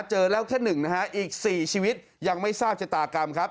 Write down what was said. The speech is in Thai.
เจอแล้วแค่๑นะฮะอีก๔ชีวิตยังไม่ทราบชะตากรรมครับ